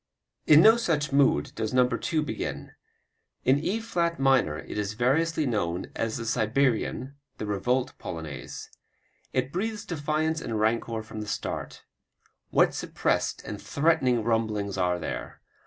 In no such mood does No. 2 begin. In E flat minor it is variously known as the Siberian, the Revolt Polonaise. It breathes defiance and rancor from the start. What suppressed and threatening rumblings are there!